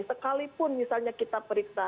sekalipun misalnya kita periksa